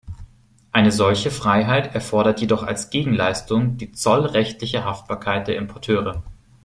Eine solche Freiheit erfordert jedoch als Gegenleistung die zollrechtliche Haftbarkeit der Importeure.